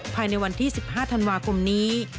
ภายในวันที่๑๕ธันวาคมนี้